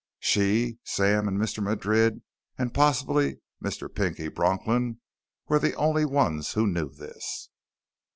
She, Sam, and Mr. Madrid, and possibly Mr. Pinky Bronklin, were the only ones who knew this.